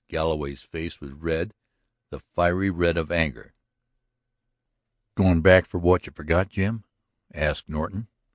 Galloway's face was red, the fiery red of anger. "Going back for what you forgot, Jim?" asked Norton.